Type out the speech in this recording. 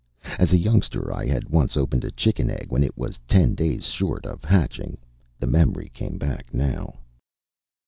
As a youngster, I had once opened a chicken egg, when it was ten days short of hatching. The memory came back now.